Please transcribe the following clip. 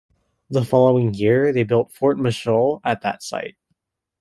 The following year, they built Fort Machault at that site.